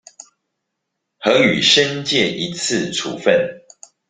核予申誡一次處分